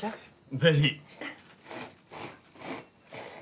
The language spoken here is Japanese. ぜひ。